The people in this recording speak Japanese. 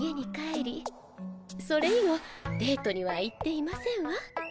それ以後デートには行っていませんわ。